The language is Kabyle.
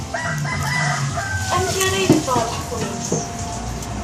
Amek ara yeffeɣ leḥkem-is.